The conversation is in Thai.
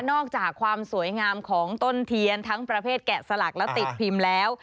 อกจากความสวยงามของต้นเทียนทั้งประเภทแกะสลักและติดพิมพ์แล้ว